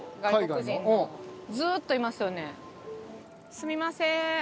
すみません。